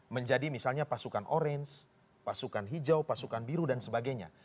menjadi misalnya pasukan orange pasukan hijau pasukan biru dan sebagainya